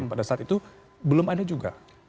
pada saat itu belum ada juga